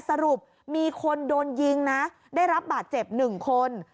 สรุปมีคนโดนยิงนะได้รับบาดเจ็บ๑คน